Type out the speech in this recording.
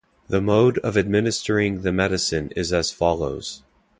The mode of administering the medicine is as follows.